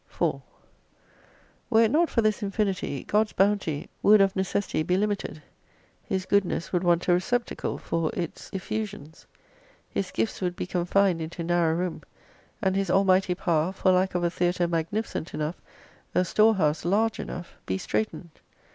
4 Were it not for this infinity, God's bounty would ot necessity be limited. His goodness would want a re ceptacle for its effusions. His gifts would be confined into narrow room, and His Almighty Power for lack of a theatre magnificent enough, a storehouse large enough, be straitened.